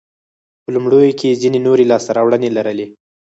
په لومړیو کې یې ځیني نورې لاسته راوړنې لرلې.